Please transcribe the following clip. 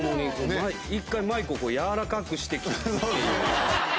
１回マイクをやわらかくして聞くっていう。